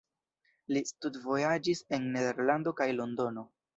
Li studvojaĝis en Nederlando kaj Londono.